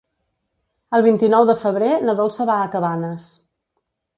El vint-i-nou de febrer na Dolça va a Cabanes.